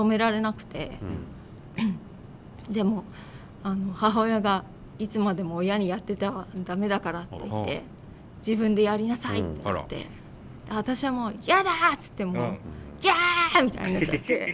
でも母親が「いつまでも親にやってては駄目だから」って言って「自分でやりなさい！」って言って私はもう「嫌だ！」つってもう「ギャ！」みたいになっちゃって。